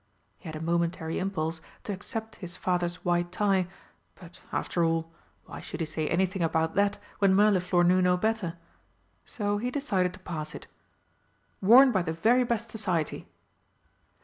(He had a momentary impulse to except his father's white tie, but, after all, why should he say anything about that when Mirliflor knew no better? So he decided to pass it), "Worn by the very best Society."